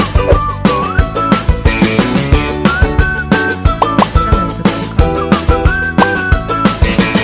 là coi như là